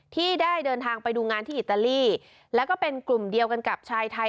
ที่ได้เดินทางไปดูงานที่อิตาลีแล้วก็เป็นกลุ่มเดียวกันกับชายไทย